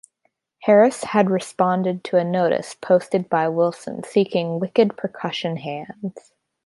Harris had responded to a notice posted by Wilson seeking wicked percussion hands.